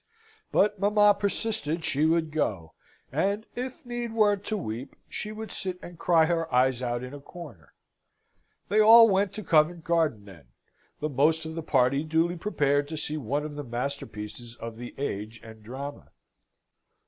But mamma persisted she would go; and, if need were to weep, she would sit and cry her eyes out in a corner. They all went to Covent Garden, then; the most of the party duly prepared to see one of the masterpieces of the age and drama.